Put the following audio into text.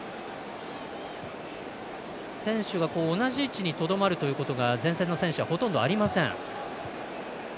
選手が同じ位置にとどまるということが前線の選手はほとんどありません。